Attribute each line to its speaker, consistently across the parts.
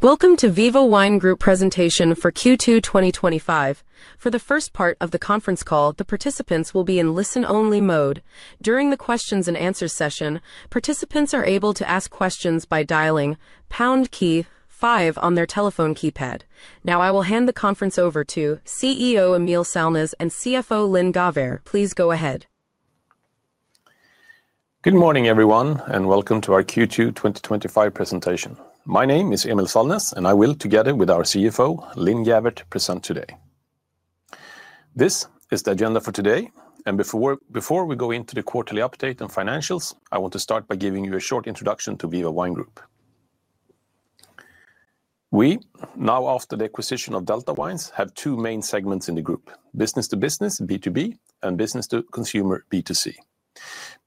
Speaker 1: Welcome to Viva Wine Group presentation for Q2 2025. For the first part of the conference call, the participants will be in listen-only mode. During the questions and answers session, participants are able to ask questions by dialing pound key five on their telephone keypad. Now, I will hand the conference over to CEO Emil Sallnäs and CFO Linn Gäfvert. Please go ahead.
Speaker 2: Good morning, everyone, and welcome to our Q2 2025 presentation. My name is Emil Sallnäs, and I will, together with our CFO Linn Gäfvert, present today. This is the agenda for today, and before we go into the quarterly update and financials, I want to start by giving you a short introduction to Viva Wine Group. We, now after the acquisition of Delta Wines, have two main segments in the group – business to business (B2B) and business to consumer (B2C).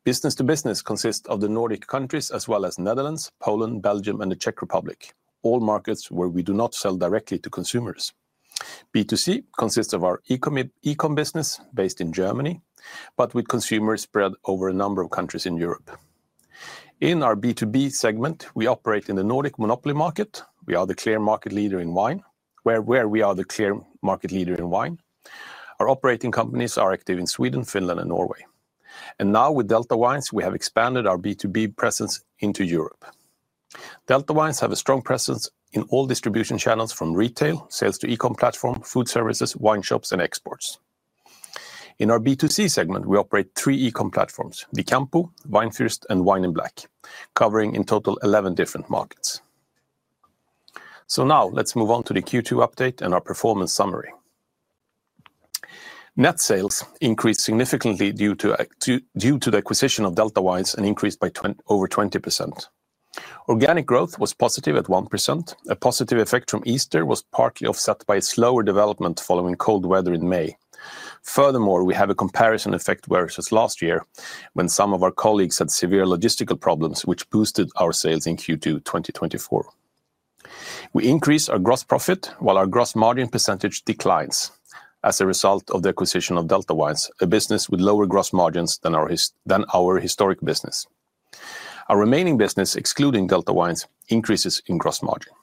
Speaker 2: Business to business consists of the Nordic countries as well as the Netherlands, Poland, Belgium, and the Czech Republic, all markets where we do not sell directly to consumers. B2C consists of our e-commerce business based in Germany, but with consumers spread over a number of countries in Europe. In our B2B segment, we operate in the Nordic monopoly market. We are the clear market leader in wine, where we are the clear market leader in wine. Our operating companies are active in Sweden, Finland, and Norway. Now, with Delta Wines, we have expanded our B2B presence into Europe. Delta Wines has a strong presence in all distribution channels from retail, sales to e-commerce platforms, food services, wine shops, and exports. In our B2C segment, we operate three e-commerce platforms – Vickampo, Wein Furst, and Wine in Black, covering in total 11 different markets. Now, let's move on to the Q2 update and our performance summary. Net sales increased significantly due to the acquisition of Delta Wines and increased by over 20%. Organic growth was positive at 1%. A positive effect from Easter was partly offset by a slower development following cold weather in May. Furthermore, we have a comparison effect versus last year, when some of our colleagues had severe logistical problems, which boosted our sales in Q2 2024. We increased our gross profit, while our gross margin percentage declines as a result of the acquisition of Delta Wines, a business with lower gross margins than our historic business. Our remaining business, excluding Delta Wines, increases in gross margin.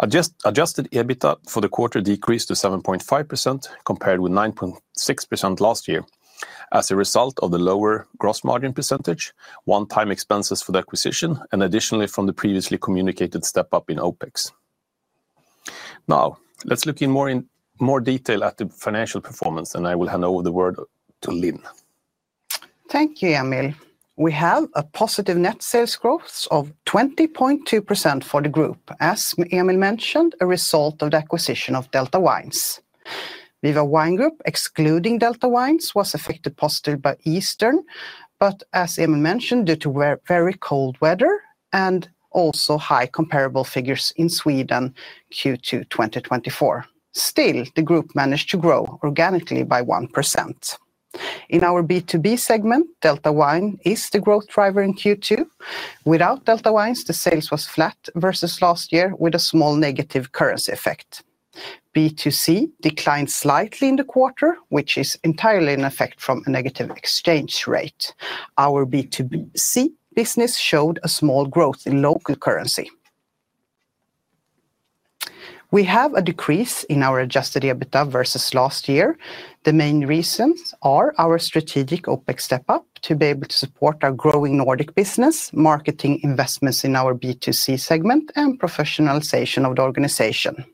Speaker 2: Adjusted EBITDA for the quarter decreased to 7.5%, compared with 9.6% last year, as a result of the lower gross margin percentage, one-time expenses for the acquisition, and additionally from the previously communicated step-up in OpEx. Now, let's look in more detail at the financial performance, and I will hand over the word to Linn.
Speaker 3: Thank you, Emil. We have a positive net sales growth of 20.2% for the group, as Emil mentioned, a result of the acquisition of Delta Wines. Viva Wine Group, excluding Delta Wines, was affected positively by Easter, but as Emil mentioned, due to very cold weather and also high comparable figures in Sweden Q2 2024. Still, the group managed to grow organically by 1%. In our B2B segment, Delta Wines is the growth driver in Q2. Without Delta Wines, the sales were flat versus last year, with a small negative currency effect. B2C declined slightly in the quarter, which is entirely in effect from a negative exchange rate. Our B2C business showed a small growth in local currency. We have a decrease in our adjusted EBITDA versus last year. The main reasons are our strategic OpEx step-up to be able to support our growing Nordic business, marketing investments in our B2C segment, and professionalization of the organization.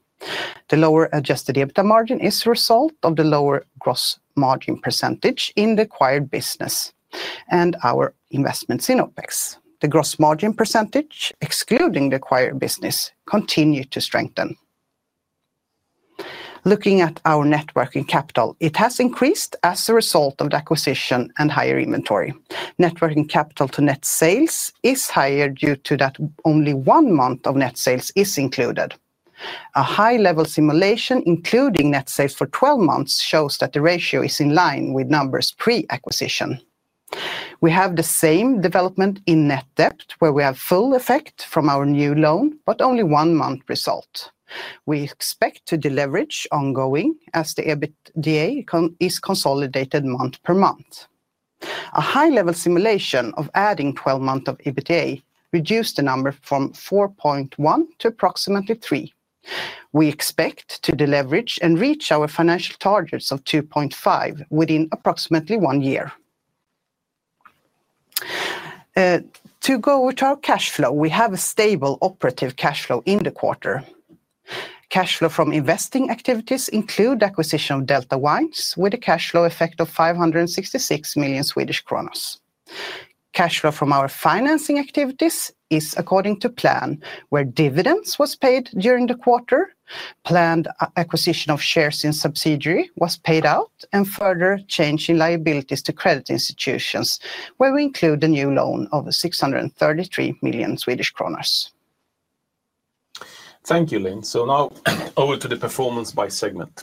Speaker 3: The lower adjusted EBITDA margin is a result of the lower gross margin percentage in the acquired business and our investments in OpEx. The gross margin percentage, excluding the acquired business, continued to strengthen. Looking at our net working capital, it has increased as a result of the acquisition and higher inventory. Net working capital to net sales is higher due to that only one month of net sales is included. A high-level simulation, including net sales for 12 months, shows that the ratio is in line with numbers pre-acquisition. We have the same development in net debt, where we have full effect from our new loan, but only one month result. We expect to deleverage ongoing as the EBITDA is consolidated month per month. A high-level simulation of adding 12 months of EBITDA reduced the number from 4.1 to approximately 3. We expect to deleverage and reach our financial targets of 2.5 within approximately one year. To go with our cash flow, we have a stable operating cash flow in the quarter. Cash flow from investing activities includes the acquisition of Delta Wines with a cash flow effect of 566 million. Cash flow from our financing activities is according to plan, where dividends were paid during the quarter, planned acquisition of shares in subsidiary was paid out, and further change in liabilities to credit institutions, where we include the new loan of 633 million Swedish kronor.
Speaker 2: Thank you, Linn. Now, over to the performance by segment.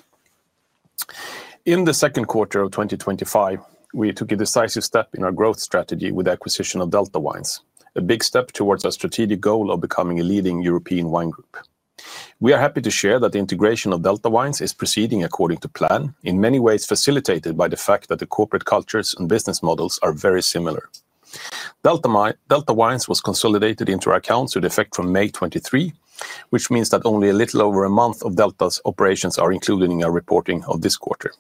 Speaker 2: In the second quarter of 2025, we took a decisive step in our growth strategy with the acquisition of Delta Wines, a big step towards our strategic goal of becoming a leading European wine group. We are happy to share that the integration of Delta Wines is proceeding according to plan, in many ways facilitated by the fact that the corporate cultures and business models are very similar. Delta Wines was consolidated into our accounts with effect from May 23, which means that only a little over a month of Delta's operations are included in our reporting of this quarter.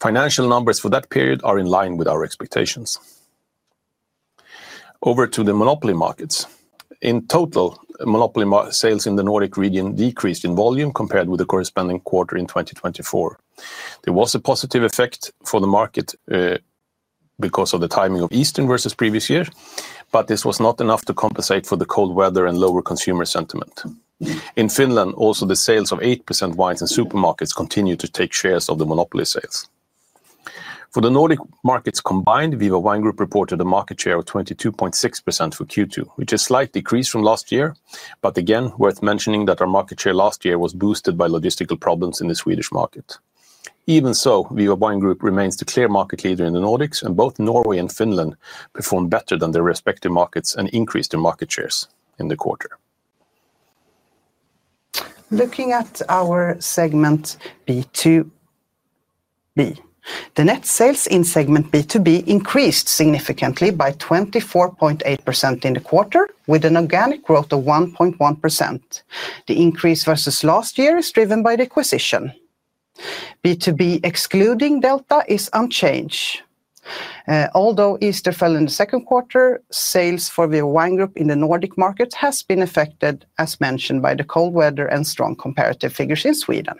Speaker 2: Financial numbers for that period are in line with our expectations. Over to the monopoly markets. In total, monopoly sales in the Nordic region decreased in volume compared with the corresponding quarter in 2024. There was a positive effect for the market because of the timing of Easter versus previous year, but this was not enough to compensate for the cold weather and lower consumer sentiment. In Finland, also the sales of 8% wines in supermarkets continued to take shares of the monopoly sales. For the Nordic markets combined, Viva Wine Group reported a market share of 22.6% for Q2, which is a slight decrease from last year, but again, worth mentioning that our market share last year was boosted by logistical problems in the Swedish market. Even so, Viva Wine Group remains the clear market leader in the Nordics, and both Norway and Finland performed better than their respective markets and increased their market shares in the quarter.
Speaker 3: Looking at our segment B2B, the net sales in segment B2B increased significantly by 24.8% in the quarter, with an organic growth of 1.1%. The increase versus last year is driven by the acquisition. B2B, excluding Delta, is unchanged. Although Easter fell in the second quarter, sales for Wine Group in the Nordic markets have been affected, as mentioned by the cold weather and strong comparative figures in Sweden.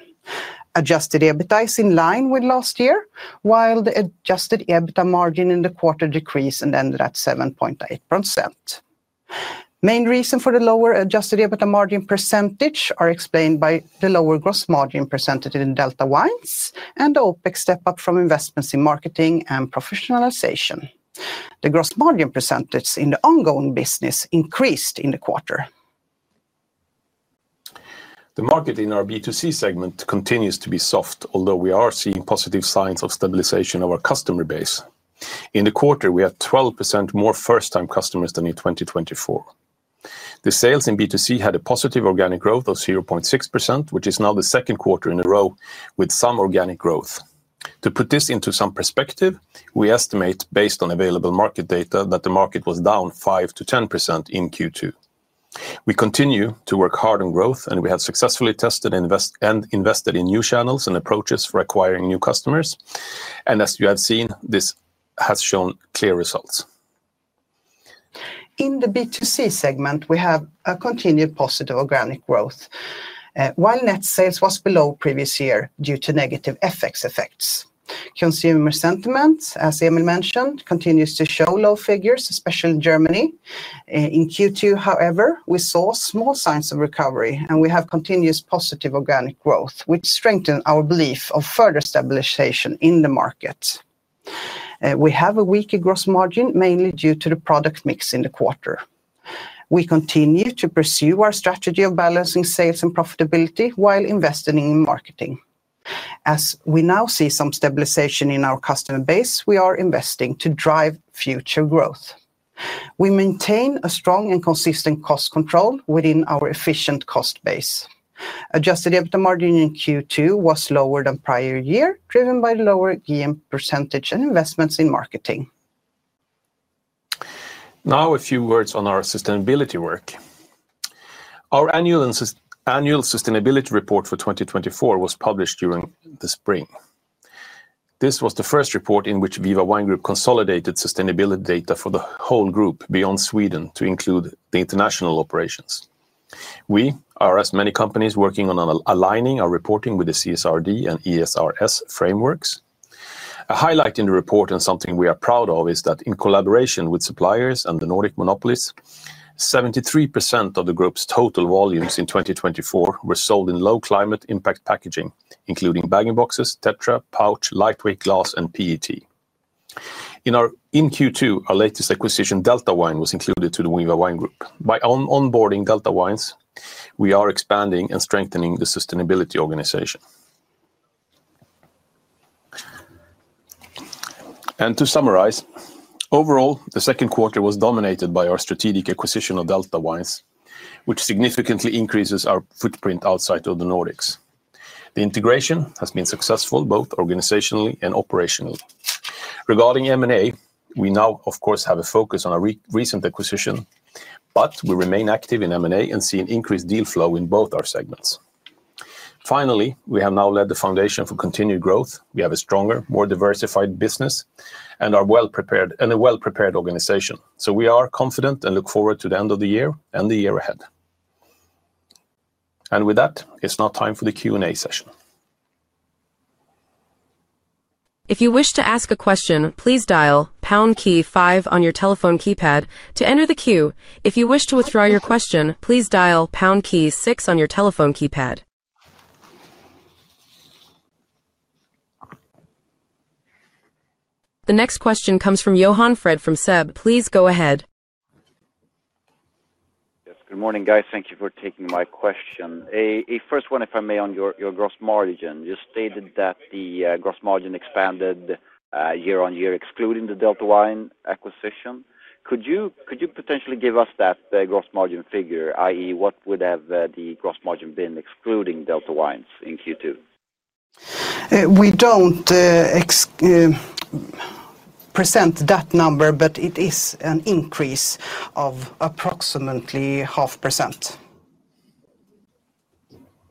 Speaker 3: Adjusted EBITDA is in line with last year, while the adjusted EBITDA margin in the quarter decreased and ended at 7.8%. The main reasons for the lower adjusted EBITDA margin percentage are explained by the lower gross margin percentage in Delta Wines and the OpEx step-up from investments in marketing and professionalization. The gross margin percentage in the ongoing business increased in the quarter.
Speaker 2: The market in our B2C segment continues to be soft, although we are seeing positive signs of stabilization of our customer base. In the quarter, we had 12% more first-time customers than in 2024. The sales in B2C had a positive organic growth of 0.6%, which is now the second quarter in a row with some organic growth. To put this into some perspective, we estimate, based on available market data, that the market was down 5%-10% in Q2. We continue to work hard on growth, and we have successfully tested and invested in new channels and approaches for acquiring new customers, and as you have seen, this has shown clear results.
Speaker 3: In the B2C segment, we have continued positive organic growth, while net sales were below previous year due to negative FX effects. Consumer sentiment, as Emil mentioned, continues to show low figures, especially in Germany. In Q2, however, we saw small signs of recovery, and we have continuous positive organic growth, which strengthened our belief of further stabilization in the market. We have a weaker gross margin, mainly due to the product mix in the quarter. We continue to pursue our strategy of balancing sales and profitability while investing in marketing. As we now see some stabilization in our customer base, we are investing to drive future growth. We maintain a strong and consistent cost control within our efficient cost base. Adjusted EBITDA margin in Q2 was lower than prior year, driven by the lower gross margin percentage and investments in marketing.
Speaker 2: Now, a few words on our sustainability work. Our annual sustainability report for 2024 was published during the spring. This was the first report in which Viva Wine Group consolidated sustainability data for the whole group, beyond Sweden, to include the international operations. We are, as many companies, working on aligning our reporting with the CSRD and ESRS frameworks. A highlight in the report, and something we are proud of, is that in collaboration with suppliers and the Nordic monopolies, 73% of the group's total volumes in 2024 were sold in low-climate impact packaging, including bag-in-box, Tetra, pouch, lightweight glass, and PET. In Q2, our latest acquisition, Delta Wines, was included in the Viva Wine Group. By onboarding Delta Wines, we are expanding and strengthening the sustainability organization. To summarize, overall, the second quarter was dominated by our strategic acquisition of Delta Wines, which significantly increases our footprint outside of the Nordics. The integration has been successful, both organizationally and operationally. Regarding M&A, we now, of course, have a focus on our recent acquisition, but we remain active in M&A and see an increased deal flow in both our segments. Finally, we have now laid the foundation for continued growth. We have a stronger, more diversified business and a well-prepared organization. We are confident and look forward to the end of the year and the year ahead. With that, it's now time for the Q&A session.
Speaker 1: If you wish to ask a question, please dial pound key five on your telephone keypad to enter the queue. If you wish to withdraw your question, please dial pound key six on your telephone keypad. The next question comes from Johan Fred from SEB. Please go ahead.
Speaker 4: Yes, good morning, guys. Thank you for taking my question. A first one, if I may, on your gross margin. You stated that the gross margin expanded year on year, excluding the Delta Wines acquisition. Could you potentially give us that gross margin figure, i.e., what would have the gross margin been excluding Delta Wines in Q2?
Speaker 3: We don't present that number, but it is an increase of approximately 0.5%.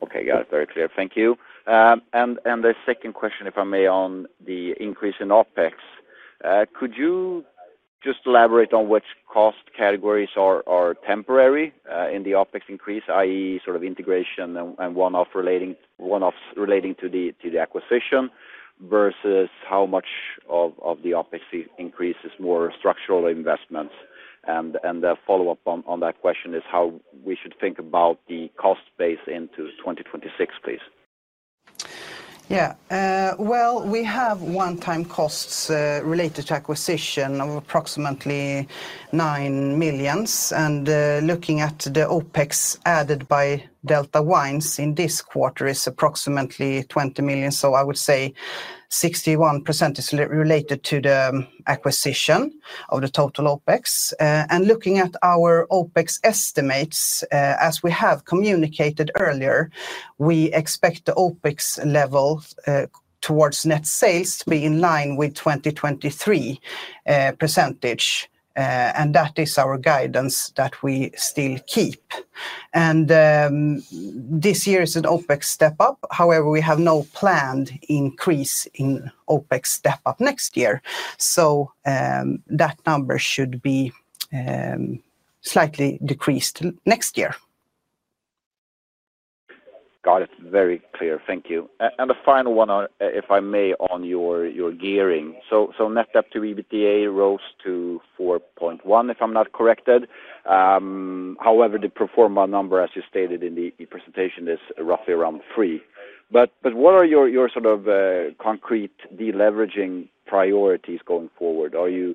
Speaker 4: Okay, got it. Very clear. Thank you. The second question, if I may, on the increase in OpEx. Could you just elaborate on which cost categories are temporary in the OpEx increase, i.e., sort of integration and one-off relating to the acquisition versus how much of the OpEx increase is more structural investments? The follow-up on that question is how we should think about the cost base into 2026, please.
Speaker 3: We have one-time costs related to acquisition of approximately 9 million, and looking at the OpEx added by Delta Wines in this quarter, it's approximately 20 million. I would say 61% is related to the acquisition of the total OpEx. Looking at our OpEx estimates, as we have communicated earlier, we expect the OpEx level towards net sales to be in line with the 2023 % and that is our guidance that we still keep. This year is an OpEx step-up. However, we have no planned increase in OpEx step-up next year. That number should be slightly decreased next year.
Speaker 4: Got it. Very clear. Thank you. The final one, if I may, on your gearing. Net debt to EBITDA rose to 4.1, if I'm not corrected. However, the pro forma number, as you stated in the presentation, is roughly around 3. What are your sort of concrete deleveraging priorities going forward? Are you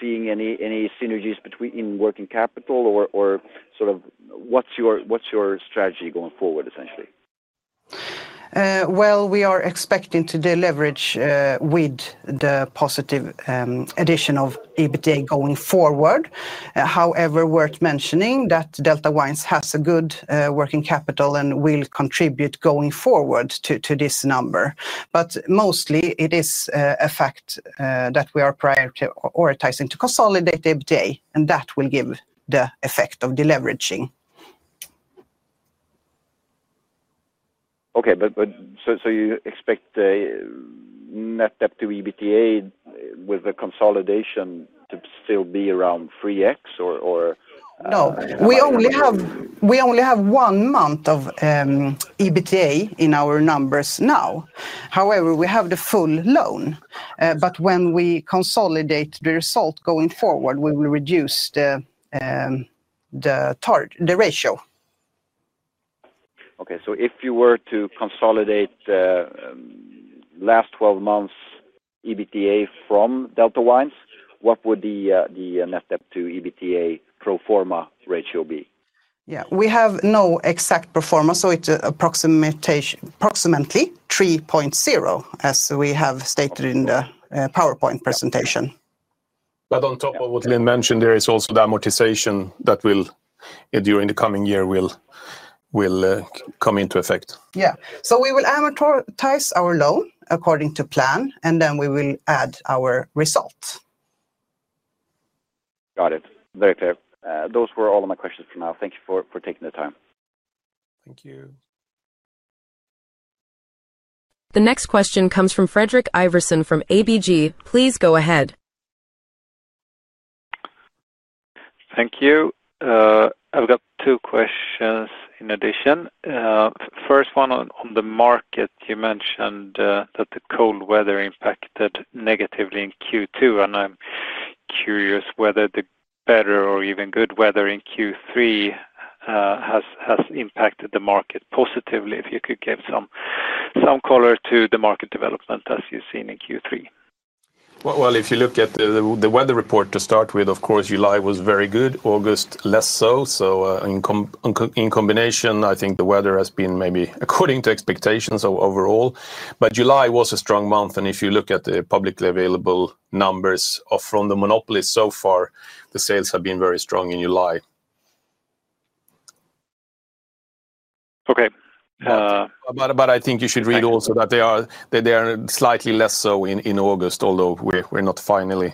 Speaker 4: seeing any synergies between working capital or sort of what's your strategy going forward, essentially?
Speaker 3: We are expecting to deleverage with the positive addition of EBITDA going forward. However, worth mentioning that Delta Wines has a good working capital and will contribute going forward to this number. Mostly, it is a fact that we are prioritizing to consolidate EBITDA, and that will give the effect of deleveraging.
Speaker 4: Okay, you expect net debt to EBITDA with the consolidation to still be around 3x or?
Speaker 3: No. We only have one month of EBITDA in our numbers now. However, we have the full loan. When we consolidate the result going forward, we will reduce the ratio.
Speaker 4: Okay, if you were to consolidate the last 12 months EBITDA from Delta Wines, what would the net debt to EBITDA pro forma ratio be?
Speaker 3: We have no exact pro forma, so it's approximately 3.0, as we have stated in the PowerPoint presentation.
Speaker 2: On top of what Linn mentioned, there is also the amortization that will, during the coming year, come into effect.
Speaker 3: Yeah, we will amortize our loan according to plan, and then we will add our result.
Speaker 4: Got it. Very clear. Those were all of my questions for now. Thank you for taking the time.
Speaker 2: Thank you.
Speaker 1: The next question comes from Frederick Iverson from ABG. Please go ahead.
Speaker 5: Thank you. I've got two questions in addition. First one on the market. You mentioned that the cold weather impacted negatively in Q2, and I'm curious whether the better or even good weather in Q3 has impacted the market positively. If you could give some color to the market development as you've seen in Q3.
Speaker 2: If you look at the weather report to start with, of course, July was very good, August less so. In combination, I think the weather has been maybe according to expectations overall. July was a strong month, and if you look at the publicly available numbers from the monopoly so far, the sales have been very strong in July.
Speaker 5: Okay.
Speaker 2: I think you should read also that they are slightly less so in August, although we're not finally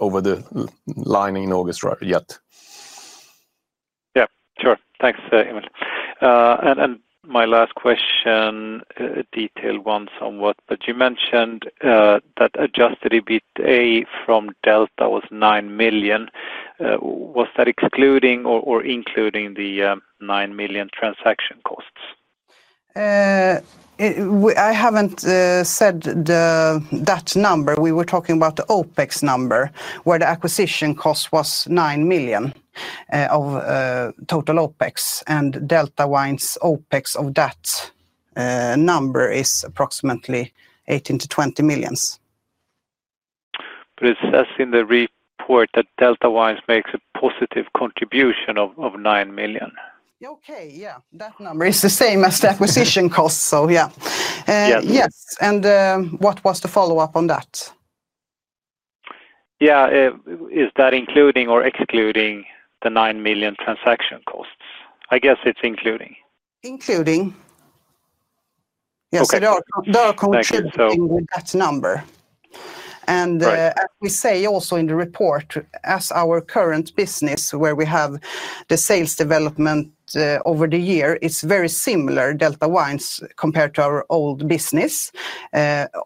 Speaker 2: over the line in August yet.
Speaker 5: Yeah, sure. Thanks, Emil. My last question, a detailed one somewhat, but you mentioned that adjusted EBITDA from Delta was 9 million. Was that excluding or including the 9 million transaction costs?
Speaker 3: I haven't said that number. We were talking about the OpEx number, where the acquisition cost was 9 million of total OpEx, and Delta Wines' OpEx of that number is approximately 18 million-20 million.
Speaker 5: It says in the report that Delta Wines makes a positive contribution of 9 million.
Speaker 3: Okay, yeah. That number is the same as the acquisition cost, so yeah. Yes. What was the follow-up on that?
Speaker 5: Yeah, is that including or excluding the 9 million transaction costs? I guess it's including.
Speaker 3: Including.
Speaker 5: Okay.
Speaker 3: Yes, they are contributing with that number. As we say also in the report, as our current business, where we have the sales development over the year, is very similar, Delta Wines compared to our old business.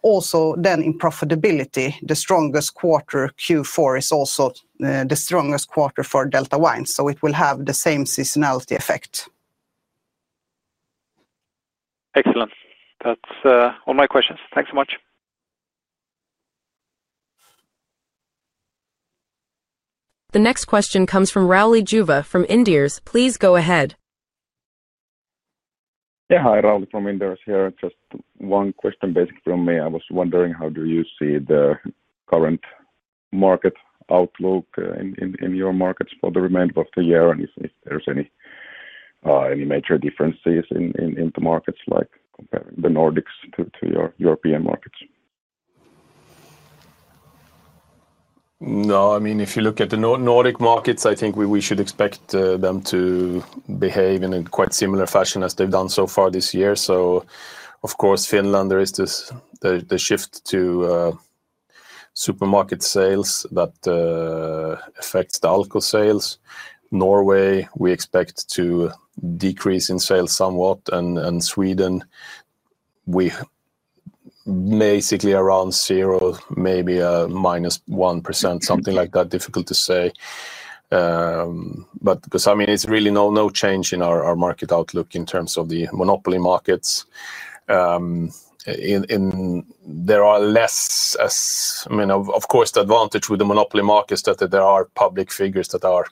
Speaker 3: Also, in profitability, the strongest quarter, Q4, is also the strongest quarter for Delta Wines. It will have the same seasonality effect.
Speaker 2: Excellent. That's all my questions. Thanks so much.
Speaker 1: The next question comes from Rauli Juva from Inderes. Please go ahead.
Speaker 6: Hi, Rally from Indiers here. Just one question, basically, from me. I was wondering, how do you see the current market outlook in your markets for the remainder of the year, and if there's any major differences in the markets, like the Nordics, to your European markets?
Speaker 2: No, I mean, if you look at the Nordic markets, I think we should expect them to behave in a quite similar fashion as they've done so far this year. Of course, Finland, there is the shift to supermarket sales that affect the alcohol sales. Norway, we expect to decrease in sales somewhat. Sweden, we're basically around zero, maybe a minus 1%, something like that. Difficult to say. There is really no change in our market outlook in terms of the monopoly markets. The advantage with the monopoly markets is that there are public figures that are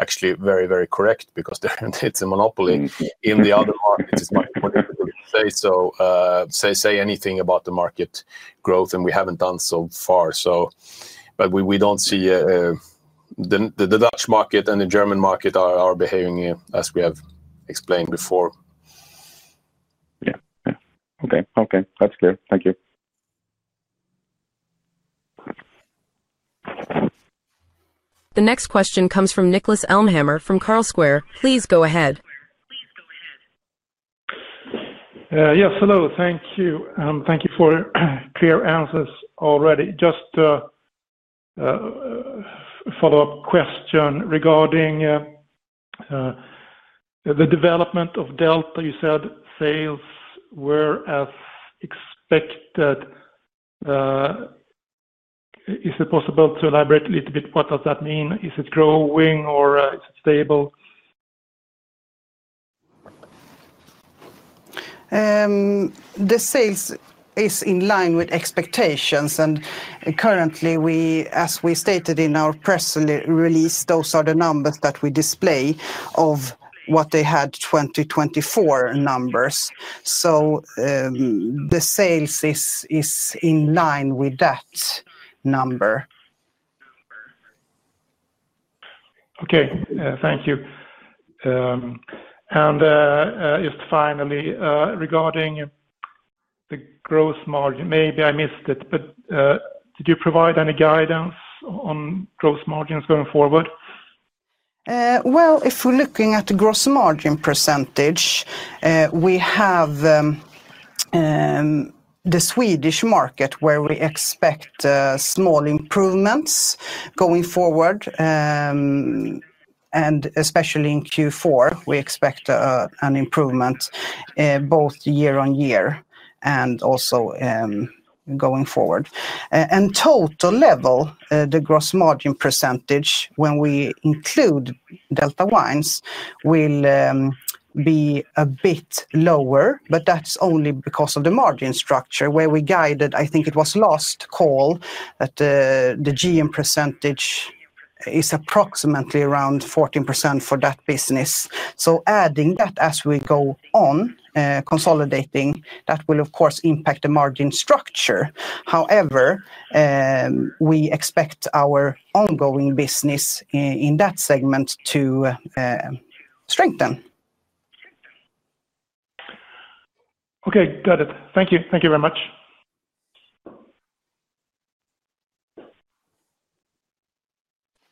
Speaker 2: actually very, very correct because it's a monopoly. In the other markets, it's much more difficult to say anything about the market growth, and we haven't done so far. We don't see the Dutch market and the German market are behaving as we have explained before.
Speaker 6: Okay. That's clear. Thank you.
Speaker 1: The next question comes from Niklas Elmhammer from Carlsquare. Please go ahead.
Speaker 7: Yes, hello. Thank you. Thank you for clear answers already. Just a follow-up question regarding the development of Delta Wines. You said sales were as expected. Is it possible to elaborate a little bit? What does that mean? Is it growing or is it stable?
Speaker 3: Sales is in line with expectations. As we stated in our press release, those are the numbers that we display of what they had, 2024 numbers. Sales is in line with that number.
Speaker 7: Thank you. Just finally, regarding the gross margin, maybe I missed this, but did you provide any guidance on gross margins going forward?
Speaker 3: If we're looking at the gross margin percentage, we have the Swedish market where we expect small improvements going forward. Especially in Q4, we expect an improvement both year on year and also going forward. At the total level, the gross margin percentage, when we include Delta Wines, will be a bit lower, but that's only because of the margin structure where we guided. I think it was last call that the GM percentage is approximately around 14% for that business. Adding that as we go on, consolidating, that will, of course, impact the margin structure. However, we expect our ongoing business in that segment to strengthen.
Speaker 7: Okay. Got it. Thank you. Thank you very much.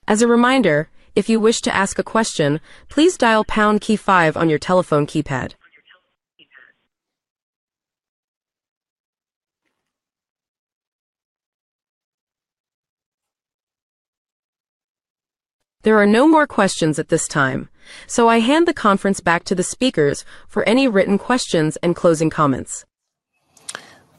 Speaker 1: As a reminder, if you wish to ask a question, please dial pound key five on your telephone keypad. There are no more questions at this time. I hand the conference back to the speakers for any written questions and closing comments.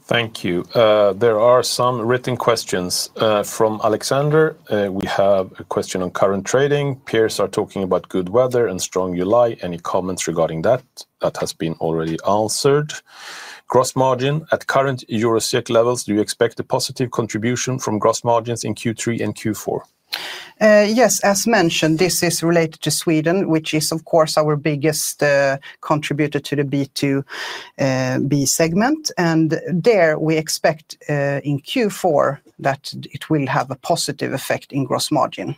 Speaker 2: Thank you. There are some written questions from Alexander. We have a question on current trading. Peers are talking about good weather and strong July. Any comments regarding that? That has been already answered. Gross margin at current Eurocert levels, do you expect a positive contribution from gross margins in Q3 and Q4?
Speaker 3: Yes, as mentioned, this is related to Sweden, which is, of course, our biggest contributor to the B2B segment. There, we expect in Q4 that it will have a positive effect in gross margin.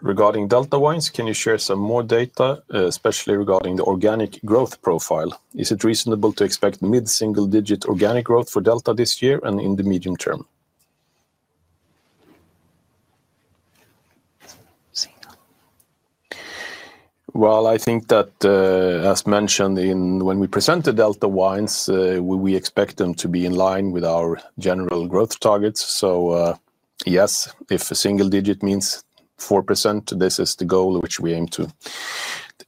Speaker 2: Regarding Delta Wines, can you share some more data, especially regarding the organic growth profile? Is it reasonable to expect mid-single-digit organic growth for Delta this year and in the medium term? As mentioned, when we presented Delta Wines, we expect them to be in line with our general growth targets. Yes, if a single digit means 4%, this is the goal which we aim to,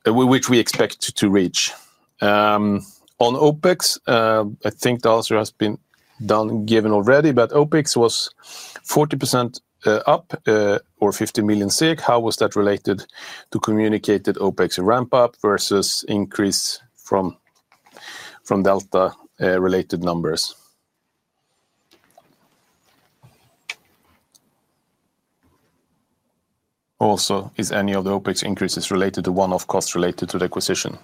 Speaker 2: which we expect to reach. On OpEx, I think the answer has been given already, but OpEx was 40% up or 50 million. How was that related to communicated OpEx ramp-up versus increase from Delta-related numbers? Also, is any other OpEx increase related to one-off costs related to the acquisition?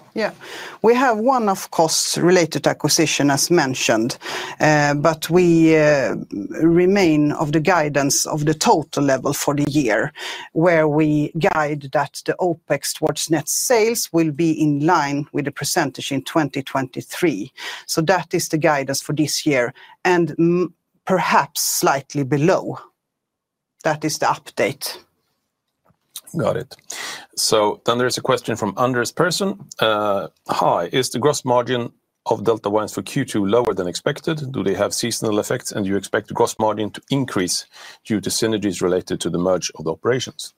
Speaker 3: We have one-off costs related to acquisition, as mentioned, but we remain of the guidance of the total level for the year, where we guide that the OpEx towards net sales will be in line with the % in 2023. That is the guidance for this year, and perhaps slightly below. That is the update.
Speaker 2: Got it. There's a question from Anders Persson. Hi. Is the gross margin of Delta Wines for Q2 lower than expected? Do they have seasonal effects, and do you expect the gross margin to increase due to synergies related to the merge of the operations?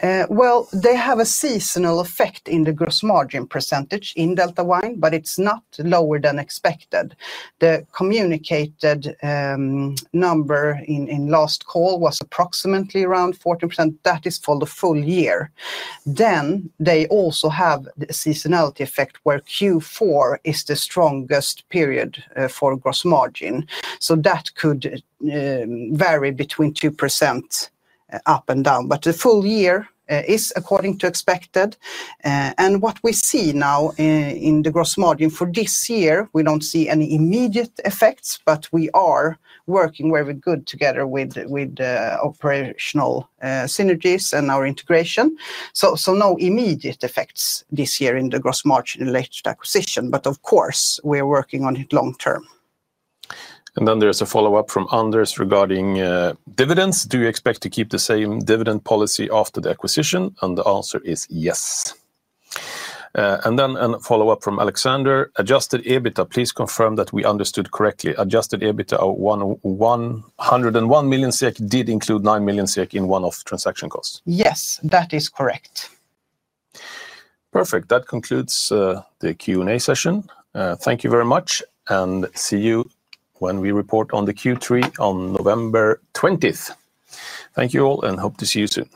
Speaker 3: They have a seasonal effect in the gross margin percentage in Delta Wines, but it's not lower than expected. The communicated number in last call was approximately around 14%. That is for the full year. They also have a seasonality effect where Q4 is the strongest period for gross margin. That could vary between 2% up and down. The full year is according to expected. What we see now in the gross margin for this year, we don't see any immediate effects, but we are working very good together with operational synergies and our integration. No immediate effects this year in the gross margin related to acquisition, but of course, we are working on it long term.
Speaker 2: There is a follow-up from Anders regarding dividends. Do you expect to keep the same dividend policy after the acquisition? The answer is yes. There is also a follow-up from Alexander. Adjusted EBITDA, please confirm that we understood correctly. Adjusted EBITDA of 101 million SEK did include 9 million SEK in one-off transaction costs.
Speaker 3: Yes, that is correct.
Speaker 2: Perfect. That concludes the Q&A session. Thank you very much, and see you when we report on the Q3 on November 20. Thank you all, and hope to see you soon.